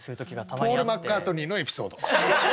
ポール・マッカートニーのエピソード。